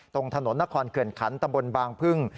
ตรงถนนนครเขื่อนขันตำบลบางพึ่ง